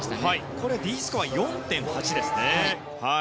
これはＤスコア４．８です。